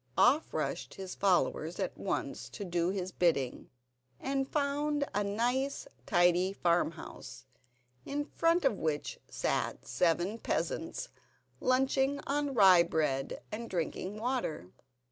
Off rushed all his followers at once to do his bidding, and found a nice, tidy farmhouse, in front of which sat seven peasants, lunching on rye bread and drinking water.